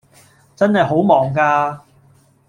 真係好忙架